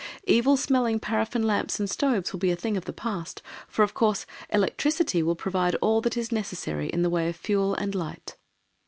Evil smelling paraffin lamps and stoves will be a thing of the past, for, of course, electricity will provide all that is necessary in the way of fuel and light.